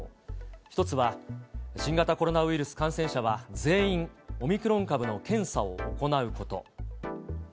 一つは新型コロナウイルス感染者は全員オミクロン株の検査を行うこと。